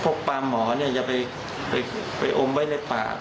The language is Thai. พวกปาร์มหมอจะไปอมไว้ในปาก